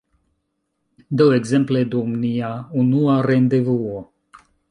Do, ekzemple, dum nia unua rendevuo